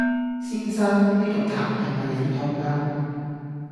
先生，呢篤痰係唔係你吐㗎？